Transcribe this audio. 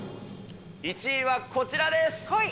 １位はこちらです。